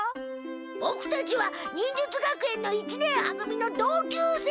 ボクたちは忍術学園の一年は組の同級生。